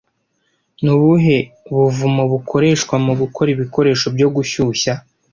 Ni ubuhe buvumo bukoreshwa mugukora ibikoresho byo gushyushya